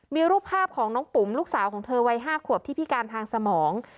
มีรูปภาพของน้องปุ๋มลูกสาวของเธอวัย๕ขวบที่พิการทางสมอง